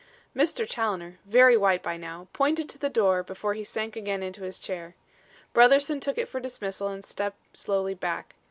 Mr. Challoner, very white by now, pointed to the door before he sank again into his chair. Brotherson took it for dismissal and stepped slowly back.